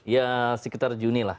ya sekitar juni lah